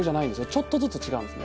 ちょっとずつ違うんです。